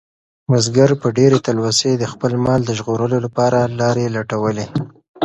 بزګر په ډېرې تلوسې د خپل مال د ژغورلو لپاره لارې لټولې.